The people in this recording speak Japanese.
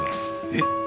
えっ！？